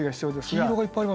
黄色がいっぱいあります。